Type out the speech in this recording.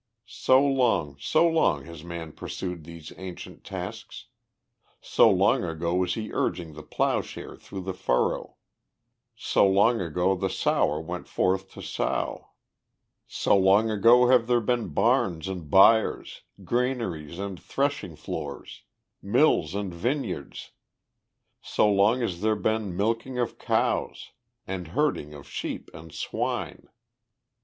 So long, so long, has man pursued these ancient tasks; so long ago was he urging the plowshare through the furrow, so long ago the sower went forth to sow; so long ago have there been barns and byres, granaries and threshing floors, mills and vineyards; so long has there been milking of cows, and herding of sheep and swine.